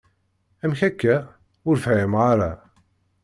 Amek akka? Ur fhimeɣ ara.